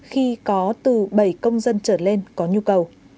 khi có từ bảy công dân trở lên có nhu cầu